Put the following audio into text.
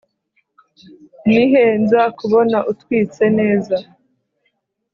ni he nzakubona utwitse neza